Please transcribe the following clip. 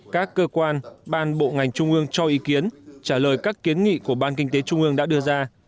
các cơ quan ban bộ ngành trung ương cho ý kiến trả lời các kiến nghị của ban kinh tế trung ương